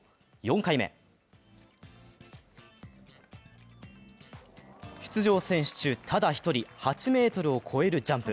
４回目、出場選手中ただ１人、８ｍを超えるジャンプ。